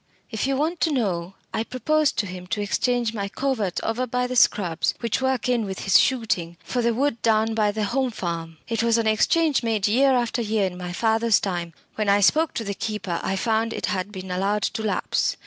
If you want to know, I proposed to him to exchange my coverts over by the Scrubs, which work in with his shooting, for the wood down by the Home Farm. It was an exchange made year after year in my father's time. When I spoke to the keeper, I found it had been allowed to lapse.